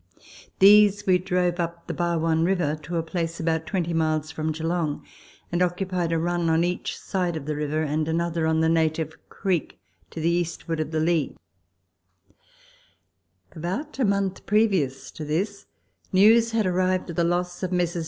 These we drove up the Barwon River to a place about twenty miles from Geelong, and occupied a run on each side of the river, and another on the Native Creek to the eastward of the Leigh. About a month previous to this, news had arrived of the loss of Messrs.